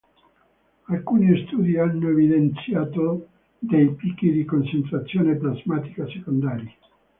Alcuni studi hanno evidenziato dei picchi di concentrazione plasmatica secondari.